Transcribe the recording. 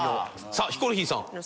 さあヒコロヒーさん。